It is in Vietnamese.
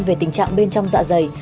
về tình trạng bên trong dạ dày